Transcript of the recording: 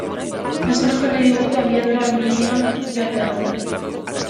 Izuna jarri digute abiadura handiegian joateagatik.